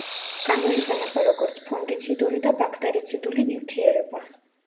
გამოიყენება როგორც ფუნგიციდური და ბაქტერიციდული ნივთიერება.